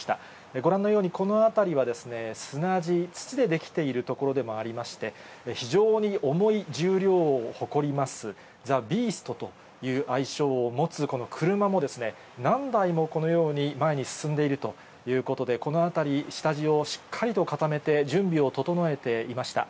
ご覧のように、この辺りは砂地、土で出来ている所でもありまして、非常に重い重量を誇ります、ザ・ビーストという愛称を持つこの車もですね、何台もこのように前に進んでいるということで、この辺り、下地をしっかりと固めて準備を整えていました。